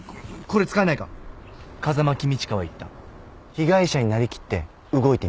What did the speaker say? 「被害者になりきって動いてみろ」